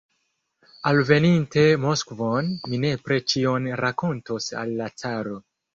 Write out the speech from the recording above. Alveninte Moskvon, mi nepre ĉion rakontos al la caro.